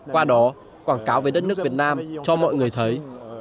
qua đó quảng cáo về đất nước việt nam cho mọi người thấy